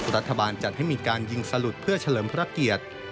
รัฐบาลจัดให้มีการยิงสลุดเพื่อเฉลิมพระเกียรติ